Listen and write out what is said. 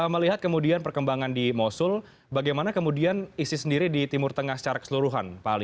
melihat kemudian perkembangan di mosul bagaimana kemudian isis sendiri di timur tengah secara keseluruhan pak ali